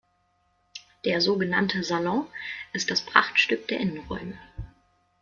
Der so genannte "Salon" ist das Prachtstück der Innenräume.